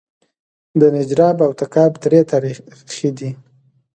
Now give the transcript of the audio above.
د نجراب او تګاب درې تاریخي دي